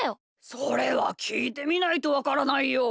それはきいてみないとわからないよ。